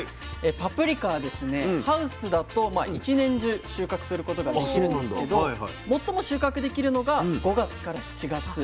パプリカはですねハウスだと一年中収穫することができるんですけど最も収穫できるのが５月から７月。